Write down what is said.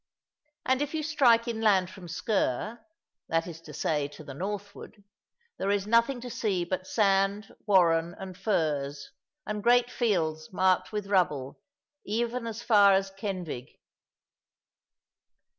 And if you strike inland from Sker that is to say, to the northward there is nothing to see but sand, warren, and furze, and great fields marked with rubble, even as far as Kenfig.